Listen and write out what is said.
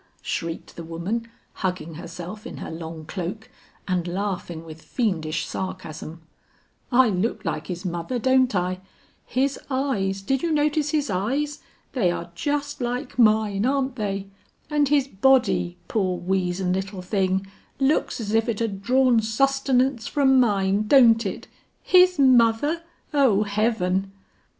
shrieked the woman, hugging herself in her long cloak and laughing with fiendish sarcasm: "I look like his mother, don't I? His eyes did you notice his eyes? they are just like mine, aren't they? and his body, poor weazen little thing, looks as if it had drawn sustenance from mine, don't it? His mother! O heaven!"